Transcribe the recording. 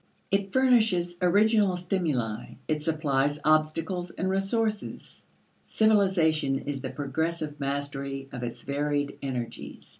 It furnishes original stimuli; it supplies obstacles and resources. Civilization is the progressive mastery of its varied energies.